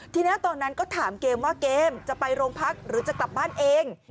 ทีนี้ตอนนั้นก็ถามเกมว่าเกมจะไปโรงพักหรือจะกลับบ้านเอง